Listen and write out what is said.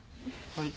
はい。